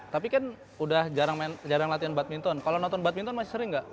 tapi kan udah jarang latihan badminton kalo nonton badminton masih sering gak